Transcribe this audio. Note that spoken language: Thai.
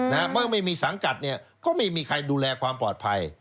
เมื่อไม่มีสังกัดเนี่ยก็ไม่มีใครดูแลความปลอดภัย